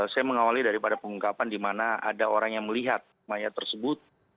saya mengawali daripada pengungkapan di mana ada orang yang melihat mayat tersebut